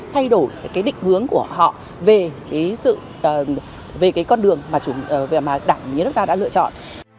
thay đổi cái định hướng của họ về cái con đường mà đảng như nước ta đã lựa chọn